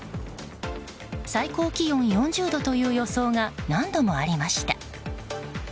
最高気温４０度という予想が何度もありました。